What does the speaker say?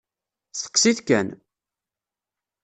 Steqsit kan!